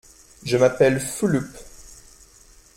Je m’appelle Fulup.